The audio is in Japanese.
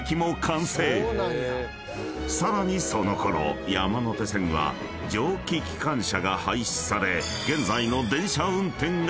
［さらにそのころ山手線は蒸気機関車が廃止され現在の］